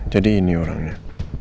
jadi ini orangnya